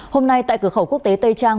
hôm nay tại cửa khẩu quốc tế tây trang